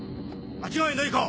間違いないか？